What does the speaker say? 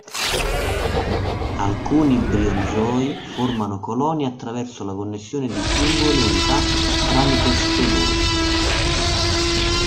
Alcuni briozoi formano colonie attraverso la connessione di singole unità tramite stoloni.